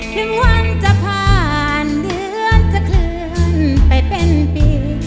ถึงหวังจะผ่านเดือนจะเคลื่อนไปเป็นปี